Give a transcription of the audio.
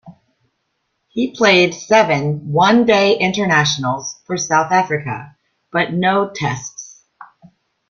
He played seven One Day Internationals for South Africa but no Tests.